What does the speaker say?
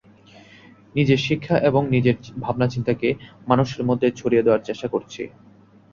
নিজের শিক্ষা এবং নিজের ভাবনা-চিন্তাকে মানুষের মধ্যে ছড়িয়ে দেওয়ার চেষ্টা করছি।